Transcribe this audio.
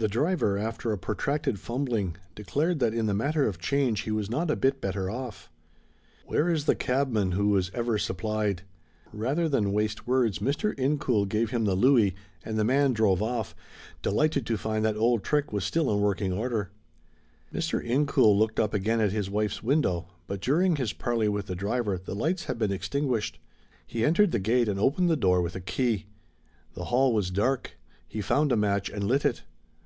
The driver, after a protracted fumbling, declared that in the matter of change he was not a bit better of. Where is the cabman who was ever supplied? Rather than waste words Mr. Incoul gave him the louis and the man drove off, delighted to find that the old trick was still in working order. Mr. Incoul looked up again at his wife's window, but during his parley with the driver the lights had been extinguished. He entered the gate and opened the door with a key. The hall was dark; he found a match and lit it.